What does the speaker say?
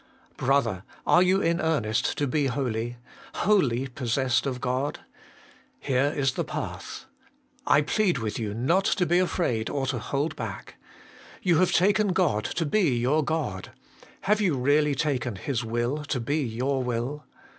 Brother ! are you in earnest to be holy ? wholly possessed of God ? Here is the path. I plead with HOLINESS AND THE WILL OF GOD. 233 you not to be afraid or to hold back* You have taken God to be your God ; have you really taken His will to be your will